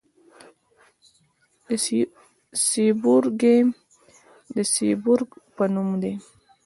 د سیبورګیم د سیبورګ په نوم دی.